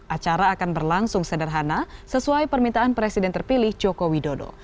acara akan berlangsung sederhana sesuai permintaan presiden terpilih joko widodo